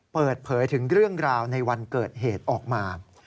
เปิดเผยถึงเรื่องราวในวันเกิดเหตุออกมา